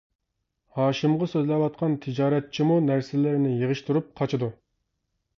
ھاشىمغا سۆزلەۋاتقان تىجارەتچىمۇ نەرسىلىرىنى يىغىشتۇرۇپ قاچىدۇ.